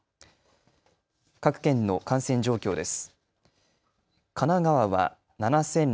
各県の感染状況です。